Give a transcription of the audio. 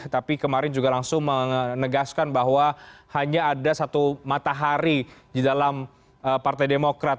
tapi kemarin juga langsung menegaskan bahwa hanya ada satu matahari di dalam partai demokrat